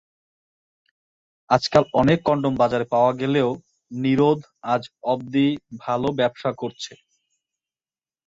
আজকাল অনেক কনডম বাজারে পাওয়া গেলেও নিরোধ আজ অবধি ভালো ব্যবসা করছে।